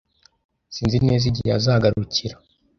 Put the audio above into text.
Sinzi neza igihe azagarukira.